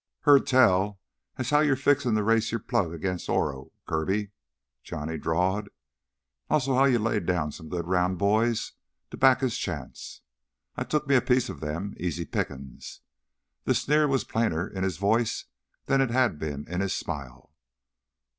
"Heard tell as how you're fixin' to race your plug 'gainst Oro, Kirby," Johnny drawled. "Also as how you laid down some good round boys to back his chance. I took me a piece of them—easy pickin's." The sneer was plainer in his voice than it had been in his smile.